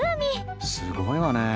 すごいわね。